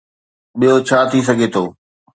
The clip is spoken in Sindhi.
ٻيو ڇا ٿي سگهي ٿو؟